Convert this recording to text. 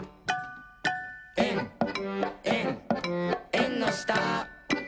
「えんえんえんのした」